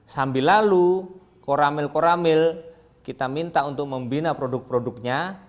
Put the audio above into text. sambil lalu koramil koramil kita minta untuk membina produk produknya